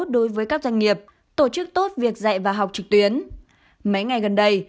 đối với các doanh nghiệp tổ chức tốt việc dạy và học trực tuyến mấy ngày gần đây